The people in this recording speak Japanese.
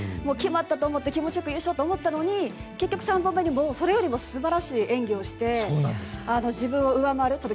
決まったと思って気持ちよく優勝と思ったのに結局３本目にそれよりも素晴らしい演技をして自分を上回る。